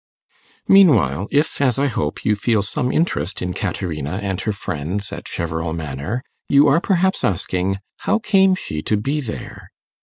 Meanwhile, if, as I hope, you feel some interest in Caterina and her friends at Cheverel Manor, you are perhaps asking, How came she to be there?